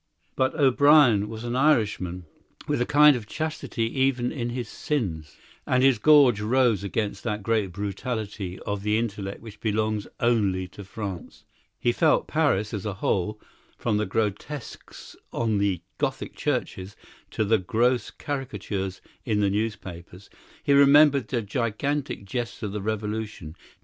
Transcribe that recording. But O'Brien was an Irishman, with a kind of chastity even in his sins; and his gorge rose against that great brutality of the intellect which belongs only to France. He felt Paris as a whole, from the grotesques on the Gothic churches to the gross caricatures in the newspapers. He remembered the gigantic jests of the Revolution.